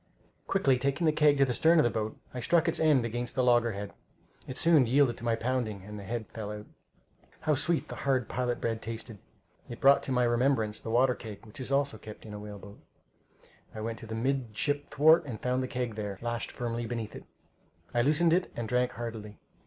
Quickly taking the keg to the stern of the boat, I struck its end against the loggerhead. It soon yielded to my pounding, and the head fell out. How sweet the hard pilot bread tasted! It brought to my remembrance the water keg which is also kept in a whale boat. I went to the midship thwart, and found the keg there, lashed firmly beneath it. I loosened it and drank heartily.